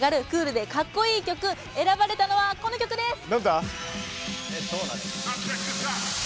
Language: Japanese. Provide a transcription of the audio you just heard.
クールでかっこいい曲」選ばれたのは、この曲です。